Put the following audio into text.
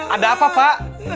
ada apa pak